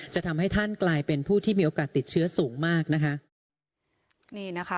จะทำให้ท่านกลายเป็นผู้ที่มีโอกาสติดเชื้อสูงมากนะคะนี่นะคะ